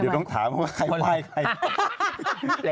เดี๋ยวต้องถามว่าใคร